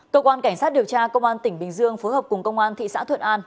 cơ quan cảnh sát điều tra công an tỉnh bình dương phối hợp cùng công an thị xã thuận an